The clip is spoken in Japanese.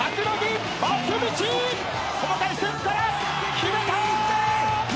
決めた！